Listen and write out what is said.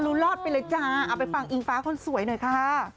รอดไปเลยจ้าเอาไปฟังอิงฟ้าคนสวยหน่อยค่ะ